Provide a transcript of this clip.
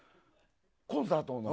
コンサートの。